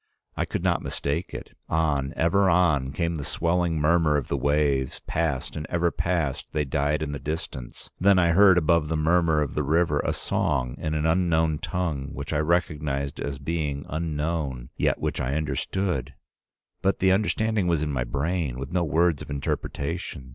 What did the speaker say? I could not mistake it. On, ever on, came the swelling murmur of the waves, past and ever past they died in the distance. Then I heard above the murmur of the river a song in an unknown tongue which I recognized as being unknown, yet which I understood; but the understanding was in my brain, with no words of interpretation.